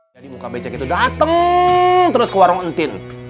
jadi muka becek itu dateng terus ke warung entin